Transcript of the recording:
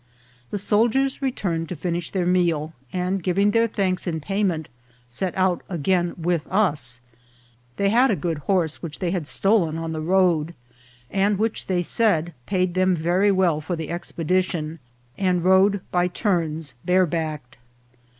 The soldiers returned to finish their meal , and giving their thanks in payment, set out again with us. They had a good horse which they had stolen on the road, and which they said paid them very well for the expedition, and rode by turns bare backed.